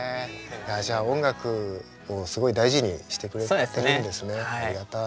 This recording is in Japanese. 音楽をすごい大事にしてくれてるんですねありがたい。